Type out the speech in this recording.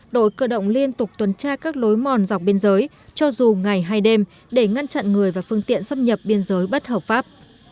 đội cơ động liên tục tuần tra các lối mòn dọc biên giới cho dù ngày hay đêm để ngăn chặn người và phương tiện xâm nhập biên giới bất hợp pháp